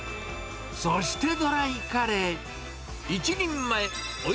そしてドライカレー。